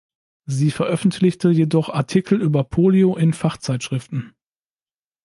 Sie veröffentlichte jedoch Artikel über Polio in Fachzeitschriften.